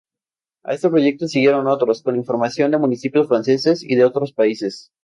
A este proyecto siguieron otros, con información de municipios franceses y de otros países.